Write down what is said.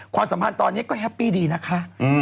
ความสัมพันธ์ตอนนี้ก็แฮปปี้ดีนะคะ